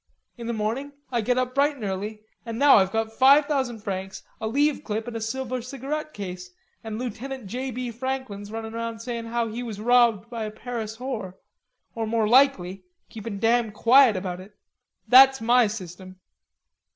In the morning I get up bright an' early, and now I've got five thousand francs, a leave slip and a silver cigarette case, an' Lootenant J. B. Franklin's runnin' around sayin' how he was robbed by a Paris whore, or more likely keepin' damn quiet about it. That's my system."